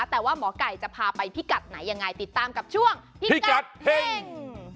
แต่ว่าหมอไก่จะพาไปพิกัดไหนยังไงติดตามกับช่วงพิกัดเฮ่ง